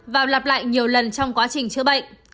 và lặp lại nhiều lần trong quá trình chữa bệnh